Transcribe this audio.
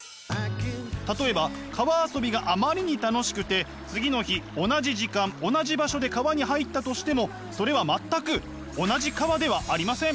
例えば川遊びがあまりに楽しくて次の日同じ時間同じ場所で川に入ったとしてもそれは全く同じ川ではありません。